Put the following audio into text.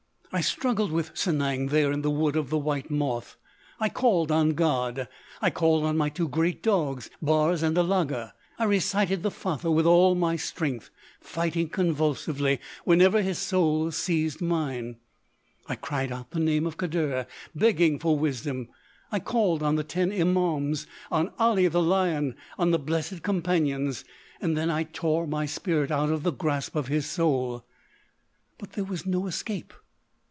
"I struggled with Sanang there in the Wood of the White Moth. I called on God! I called on my two great dogs, Bars and Alaga! I recited the Fatha with all my strength—fighting convulsively whenever his soul seized mine; I cried out the name of Khidr, begging for wisdom! I called on the Ten Imaums, on Ali the Lion, on the Blessed Companions. Then I tore my spirit out of the grasp of his soul—but there was no escape!